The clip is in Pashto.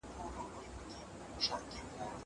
زه له سهاره انځور ګورم.